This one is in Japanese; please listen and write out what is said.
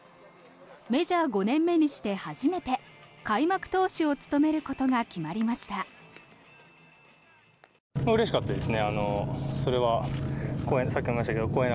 メジャー５年目にして初めて開幕投手を務めることが決まりました。